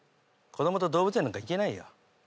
子供と動物園なんか行けないよ。